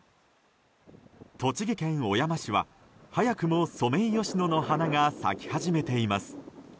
栃木県小山市は早くもソメイヨシノの花が咲き始めています。